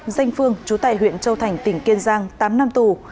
danh phương chú tại huyện châu thành tỉnh kiên giang tám năm tù